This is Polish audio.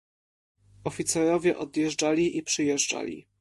"Oficerowie odjeżdżali i przyjeżdżali."